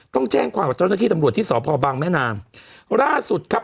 ต้องแจ้งความกับเจ้าหน้าที่ตำรวจที่สพบังแม่นามล่าสุดครับ